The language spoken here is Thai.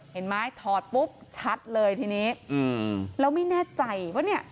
เห็นไหมถอดปุ๊บชัดเลยทีนี้แล้วไม่แน่ใจว่าเนี่ย